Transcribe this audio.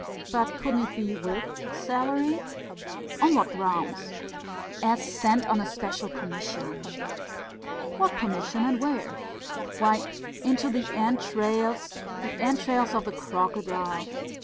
"But couldn't it be with salary?" "On what grounds?" "As sent on a special commission." "What commission and where?" "Why, into the entrails, the entrails of the crocodile....